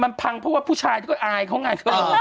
มันพังเพราะว่าผู้ชายที่ก็อายเขาไง